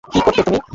কী করতে তুমি।